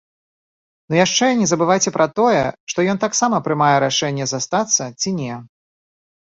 Ну яшчэ не забывайце пра тое, што ён таксама прымае рашэнне застацца ці не.